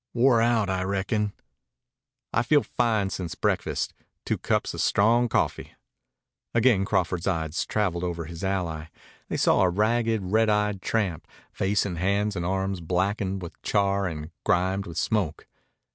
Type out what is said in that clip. "Wore out, I reckon?" "I feel fine since breakfast took two cups of strong coffee." Again Crawford's eyes traveled over his ally. They saw a ragged, red eyed tramp, face and hands and arms blackened with char and grimed with smoke.